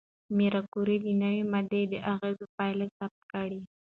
ماري کوري د نوې ماده د اغېزو پایله ثبت کړه.